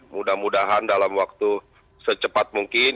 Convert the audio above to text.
mudah mudahan dalam waktu secepat mungkin